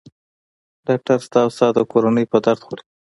ډاکټر ستا او ستا د کورنۍ په درد خوري.